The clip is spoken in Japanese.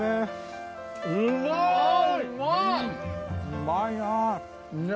うまいな。